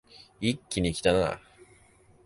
一気にきたな